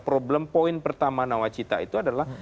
problem poin pertama nawacita itu adalah